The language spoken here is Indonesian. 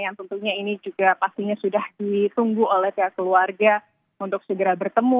yang tentunya ini juga pastinya sudah ditunggu oleh pihak keluarga untuk segera bertemu